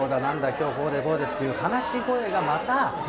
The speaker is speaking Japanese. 今日こうでこうで」っていう話し声がまた。